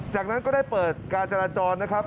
จากนั้นก็ได้เปิดการจราจรนะครับ